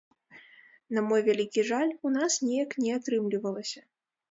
На мой вялікі жаль, у нас неяк не атрымлівалася.